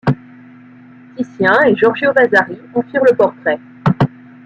Titien et Giorgio Vasari en firent le portrait.